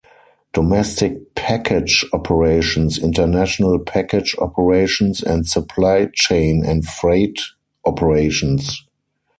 Domestic Package operations, International Package operations, and Supply Chain and Freight operations.